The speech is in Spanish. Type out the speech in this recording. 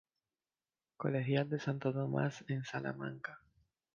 Colegial de Santo Tomás, en Salamanca.